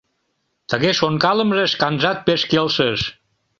Тыге шонкалымыже шканжат пеш келшыш.